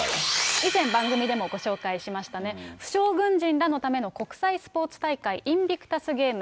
以前、番組でもご紹介しましたね、負傷軍人らのための国際スポーツ大会、インビクタス・ゲーム。